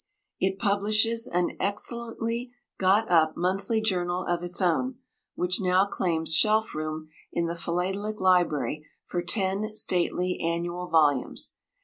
It publishes an excellently got up monthly journal of its own, which now claims shelf room in the philatelic library for ten stately annual volumes.